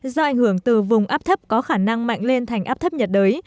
do ảnh hưởng từ vùng áp thấp có khả năng mạnh lên thành áp thấp nhiệt đới